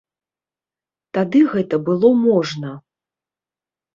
Тады гэта было можна.